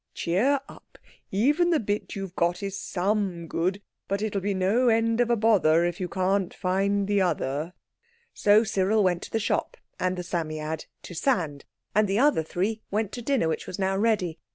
Cheer up! Even the bit you've got is some good, but it'll be no end of a bother if you can't find the other." So Cyril went to the shop. And the Psammead to sand. And the other three went to dinner, which was now ready.